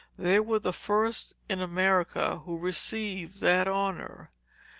They were the first in America, who had received that honor.